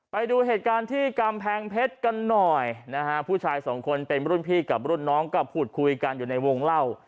ไปดูเหตุการณ์ที่กำแพงเพชรกันหน่อยนะฮะผู้ชายสองคนเป็นรุ่นพี่กับรุ่นน้องก็พูดคุยกันอยู่ในวงเล่า